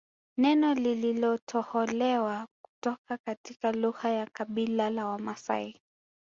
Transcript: Neno lililotoholewa kutoka katika lugha ya kabila la Wamaasai